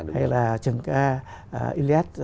hay là trần ca iliad